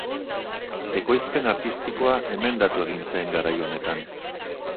Ekoizpen artistikoa emendatu egin zen garai honetan.